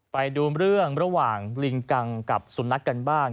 ไปดูเรื่องระหว่างลิงกังกับสุนัขกันบ้าง